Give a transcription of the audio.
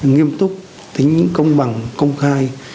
nghiêm túc tính công bằng công khai